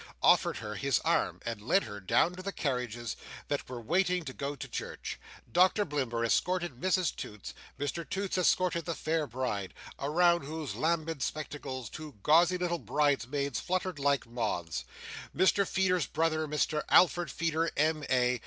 offered her his arm, and led her down to the carriages that were waiting to go to church. Doctor Blimber escorted Mrs Toots. Mr Toots escorted the fair bride, around whose lambent spectacles two gauzy little bridesmaids fluttered like moths. Mr Feeder's brother, Mr Alfred Feeder, M.A.